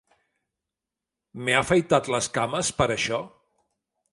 M'he afaitat les cames per a això?